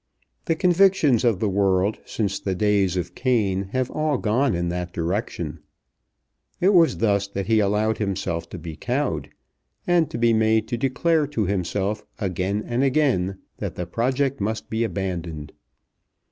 The convictions of the world since the days of Cain have all gone in that direction. It was thus that he allowed himself to be cowed, and to be made to declare to himself again and again that the project must be abandoned.